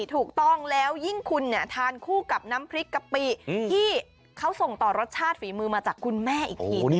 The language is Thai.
ถูกต้องแล้วยิ่งคุณเนี่ยทานคู่กับน้ำพริกกะปิที่เขาส่งต่อรสชาติฝีมือมาจากคุณแม่อีกที